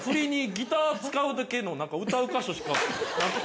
ギター使うだけの歌う箇所しかなくて。